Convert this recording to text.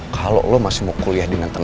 kalau lo masih mau kuliah dengan tenang